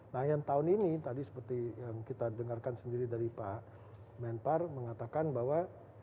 nah yang tahun ini tadi seperti yang kita dengarkan sendiri dari pak menpar mengatakan bahwa